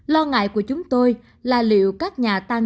lo ngại của chúng tôi là liệu các nhà tăng